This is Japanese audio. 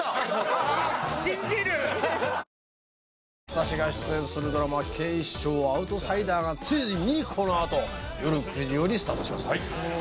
私が出演するドラマ『警視庁アウトサイダー』がついにこのあとよる９時よりスタートします。